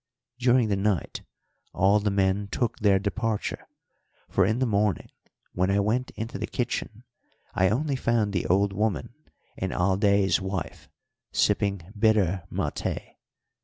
During the night all the men took their departure, for in the morning, when I went into the kitchen, I only found the old woman and Alday's wife sipping bitter maté.